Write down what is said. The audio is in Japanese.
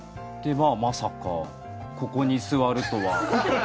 まさかここに座るとは。